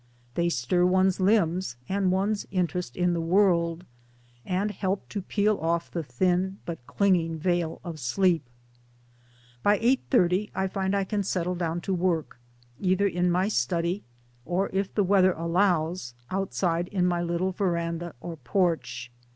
They stir one's limbs and one's interest in the world, and help to peel off the thin but clinging veil 1 of sleep. By 8.30 I find I can settle down to work, either in my study or, if the weather allows, outside in my little veranda or porch.